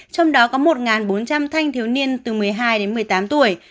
trong đó có một bốn trăm linh thanh thiếu niên từ một mươi hai đến một mươi tám tuổi